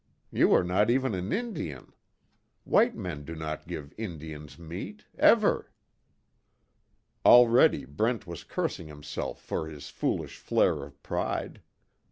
You are not even an Indian. White men do not give Indians meat, ever." Already Brent was cursing himself for his foolish flare of pride.